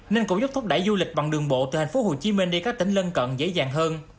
nên cũng giúp thúc đẩy du lịch bằng đường bộ từ thành phố hồ chí minh đi các tỉnh lân cận dễ dàng hơn